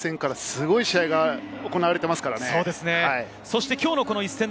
開幕戦からすごい試合が行われていますからね。